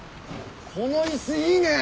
この椅子いいね！